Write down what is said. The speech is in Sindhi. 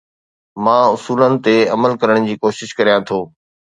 مان اصولن تي عمل ڪرڻ جي ڪوشش ڪريان ٿو